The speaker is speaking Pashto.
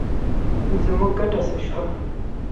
نو زموږ ګټه څه شوه؟